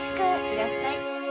いらっしゃい。